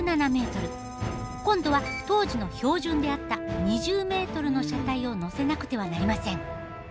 今度は当時の標準であった２０メートルの車体を載せなくてはなりません。